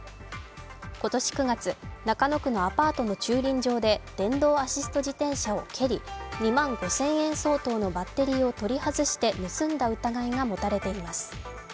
今年９月、中野区のアパートの駐輪場で電動アシスト自転車を蹴り、２万５０００円相当のバッテリーを取り外して盗んだ疑いが持たれています。